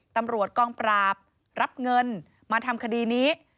ตำรวจกองปราบรับเงินมาทำคดีนี้